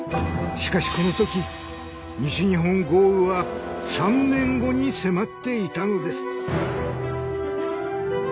しかしこの時西日本豪雨は３年後に迫っていたのです。